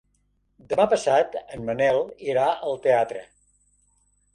Demà passat en Manel irà al teatre.